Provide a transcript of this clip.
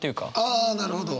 ああなるほど。